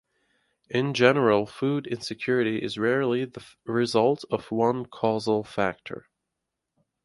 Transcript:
In general, food insecurity is rarely the result of one causal factor.